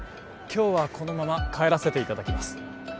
今日はこのまま帰らせていただきます